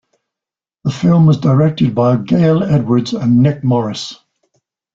The film was directed by Gale Edwards and Nick Morris.